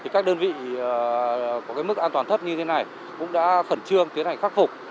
các đơn vị có mức an toàn thấp như thế này cũng đã khẩn trương tiến hành khắc phục